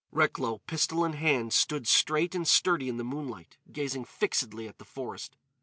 Recklow, pistol in hand, stood straight and sturdy in the moonlight, gazing fixedly at the forest.